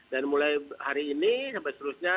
dan mulai hari ini sampai seterusnya